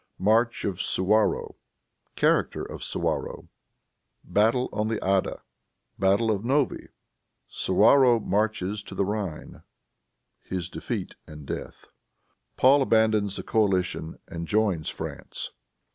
March of Suwarrow. Character of Suwarrow. Battle on the Adda. Battle of Novi. Suwarrow Marches to the Rhine. His Defeat and Death. Paul Abandons the Coalition and Joins France.